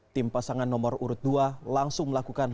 tim pasangan nomor urut dua langsung melakukan